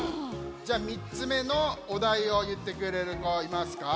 じゃあ３つめのおだいをいってくれるこいますか？